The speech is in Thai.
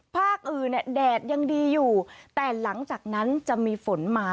ภาคอื่นเนี่ยแดดยังดีอยู่แต่หลังจากนั้นจะมีฝนมา